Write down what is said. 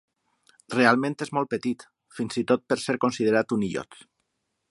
Realment és molt petit, fins i tot per ser considerat un illot.